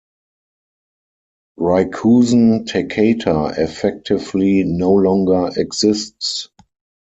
Rikuzen-Takata effectively no longer exists.